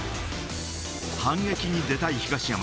反撃に出たい東山。